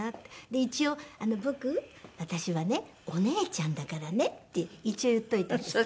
で一応「僕私はね“お姉ちゃん”だからね」って一応言っといたんです。